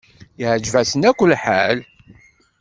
Yeɛjeb-asen akk lḥal.